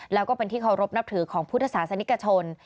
แล้วก็เป็นที่เคารพนับถือของพุทธศาสนิกชน